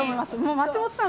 松本さん